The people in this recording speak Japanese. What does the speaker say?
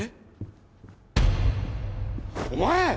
お前！